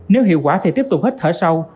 nếu hiệu quả thì tiếp tục hít thở sâu